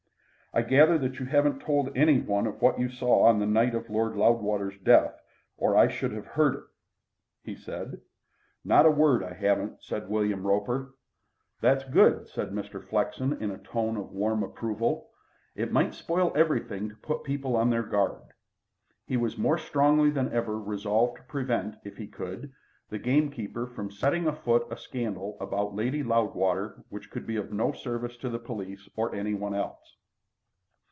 "I gather that you haven't told any one of what you saw on the night of Lord Loudwater's death; or I should have heard of it," he said. "Not a word, I haven't," said William Roper. "That's good," said Mr. Flexen in a tone of warm approval. "It might spoil everything to put people on their guard." He was more strongly than ever resolved to prevent, if he could, the gamekeeper from setting afoot a scandal about Lady Loudwater which could be of no service to the police or any one else.